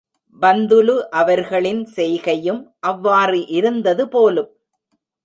பந்துலு அவர்களின் செய்கையும் அவ்வாறு இருந்தது போலும்!